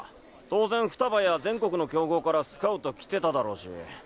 当然ふたばや全国の強豪からスカウト来てただろうし。